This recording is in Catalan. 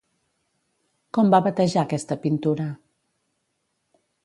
Com va batejar aquesta pintura?